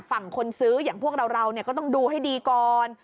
คนซื้ออย่างพวกเราก็ต้องดูให้ดีก่อน